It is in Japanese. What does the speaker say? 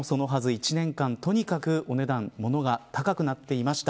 １年間、とにかくお値段ものが高くなってました。